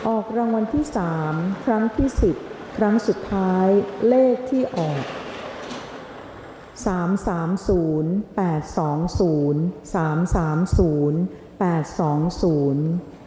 ออกรางวัลที่สามครั้งที่สิบครั้งสุดท้ายเลขที่ออกสามสามศูนย์แปดสองศูนย์สามสามศูนย์แปดสองศูนย์